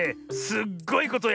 すっごいこと？